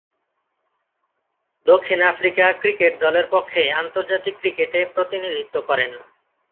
দক্ষিণ Africa cricket দলের পক্ষে আন্তর্জাতিক ক্রিকেটে প্রতিনিধিত্ব করেন।